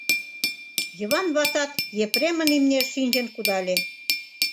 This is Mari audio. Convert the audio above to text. Йыван ватат Епремын имнеш шинчын кудале.